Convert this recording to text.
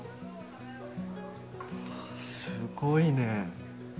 すごいね